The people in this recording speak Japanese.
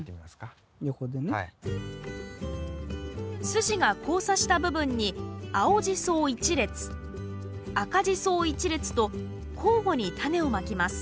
筋が交差した部分に青ジソを１列赤ジソを１列と交互にタネをまきます